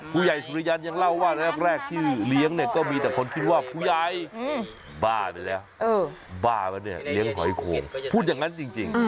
ผู้ใหญ่สุริยันยังเล่าว่าแรกที่เลี้ยงเนี่ยก็มีแต่คนคิดว่าผู้ใหญ่บ้าด้วยนะบ้าแล้วเนี่ยเลี้ยงหอยโข่งพูดอย่างนั้นจริง